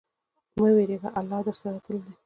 مه ویره لره، الله تل درسره دی.